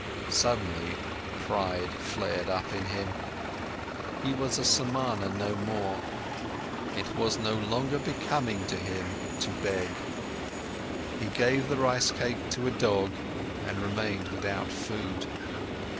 Suddenly, pride flared up in him. He was no Samana any more, it was no longer becoming to him to beg. He gave the rice cake to a dog and remained without food.